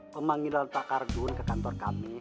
pemanggilan pak kardun ke kantor kami